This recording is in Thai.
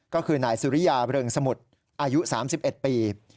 ก็คือนายสุริยาเริงสมุทรอายุ๓๑ปี